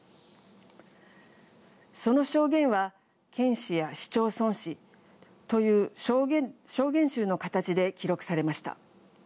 その証言は県史や市町村史という証言集の形で記録されました。